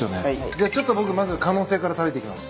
じゃあちょっと僕まず可能性から食べていきます。